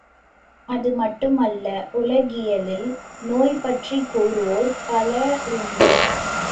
அதுமட்டுமல்ல, உலகியலில் நோய்பற்றிக் கூறுவோர் பலருண்டு.